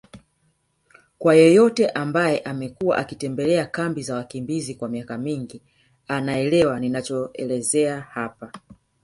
Kwa yeyote ambaye amekuwa akitembelea kambi za wakimbizi kwa miaka mingi anaelewa ninachoelezea hapa